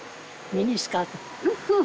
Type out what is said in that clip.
ミニスカート。